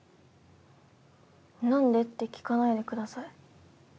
なんでって聞かないで下さい。